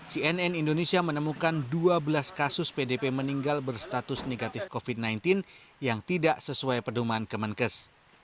cnn indonesia menemukan dua belas kasus pdp meninggal berstatus negatif covid sembilan belas yang tidak sesuai pedoman kemenkes